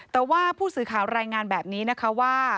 แต่ว่าผู้สื่อข่าวรายงานแบบนี้นะคะว่า